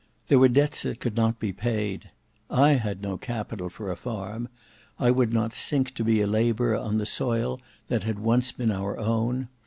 There were debts that could not be paid. I had no capital for a farm. I would not sink to be a labourer on the soil that had once been our own.